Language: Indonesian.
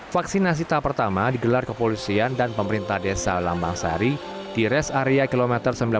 vaksinasi tahap pertama digelar kepolisian dan pemerintah desa lambang sari di res area kilometer sembilan puluh